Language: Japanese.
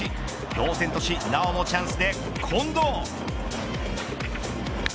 同点としなおもチャンスで近藤。